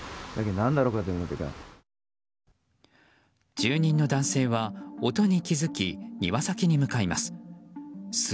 住人の男性は音に気づき庭先に向かいます。